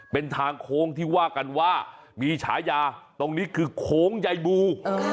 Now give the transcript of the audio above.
เป็นทางโค้งที่ว่ากันว่ามีฉายาตรงนี้คือโค้งใยบู